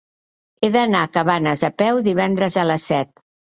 He d'anar a Cabanes a peu divendres a les set.